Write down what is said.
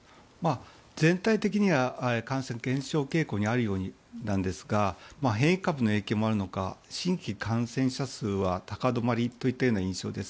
全体的には感染減少傾向にあるようですが変異株の影響もあるのか新規感染者数は高止まりといったような印象です。